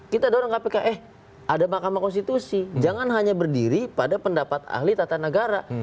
kita dorong kpk eh ada mahkamah konstitusi jangan hanya berdiri pada pendapat ahli tata negara